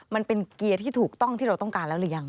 มันเป็นเกียร์ที่ถูกต้องที่เราต้องการแล้วหรือยัง